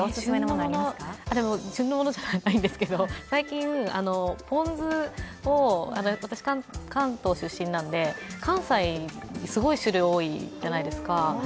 旬のものじゃないんですけど、最近、ポン酢を私、関東出身なんで、関西、すごい種類が多いじゃないですか。